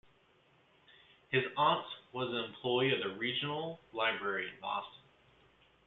His aunt was an employee of the regional library in Boston.